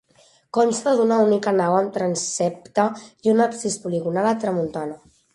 Consta d'una única nau amb transsepte i un absis poligonal a tramuntana.